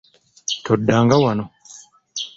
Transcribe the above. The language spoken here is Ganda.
Toddanga wano.